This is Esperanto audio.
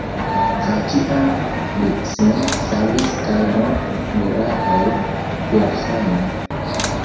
Kaj ĉiam li sin savis kaj nur mirakle, verŝajne.